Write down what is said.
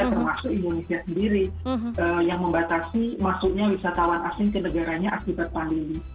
termasuk indonesia sendiri yang membatasi masuknya wisatawan asing ke negaranya akibat pandemi